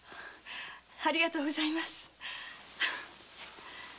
ありがとうございます。